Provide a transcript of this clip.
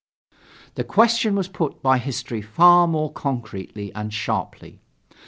The question was put by history far more concretely and sharply.